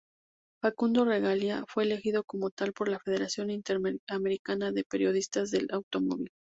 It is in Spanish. Facundo Regalia fue elegido como tal por la Federación Interamericana de Periodistas del Automóvil.